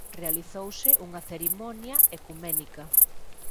Realizouse unha cerimonia ecuménica.